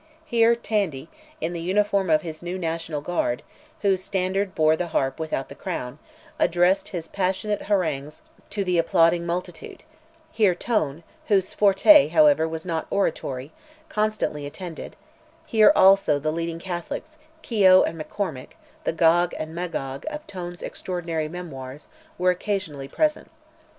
Here Tandy, in the uniform of his new National Guard, whose standard bore the harp without the crown, addressed his passionate harangues to the applauding multitude; here Tone, whose forte, however, was not oratory, constantly attended; here, also, the leading Catholics, Keogh and McCormack, the "Gog" and "Magog," of Tone's extraordinary Memoirs, were occasionally present.